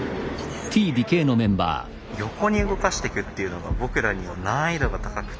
横に動かしてくっていうのが僕らには難易度が高くて。